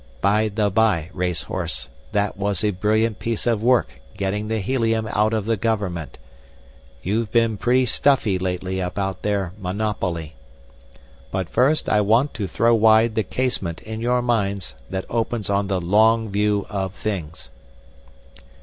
"By the by, Racehorse, that was a brilliant piece of work getting the helium out of the government they've been pretty stuffy lately about their monopoly. But first I want to throw wide the casement in your minds that opens on the Long View of Things."